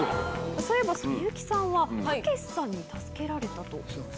そういえば、幸さんはたけしさんに助けられたとおっしゃいました。